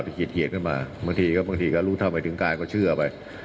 ขีดเหียดกันมาบางทีก็บางทีก็รู้เท่าไม่ถึงการก็เชื่อไป